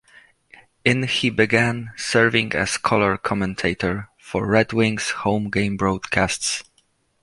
In he began serving as color commentator for Red Wings home-game broadcasts.